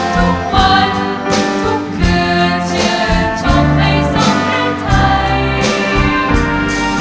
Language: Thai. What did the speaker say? ทุกวันทุกคืนเชื่อชมให้สมแรกไทย